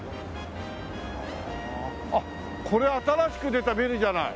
あっこれ新しく出たビルじゃない！